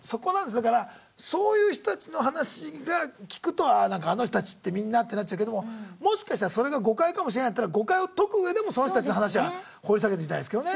だからそういう人たちの話が聞くとああなんかあの人たちってみんなってなっちゃうけどももしかしたらそれが誤解かもしれないってなったら誤解を解くうえでもその人たちの話は掘り下げてみたいですけどね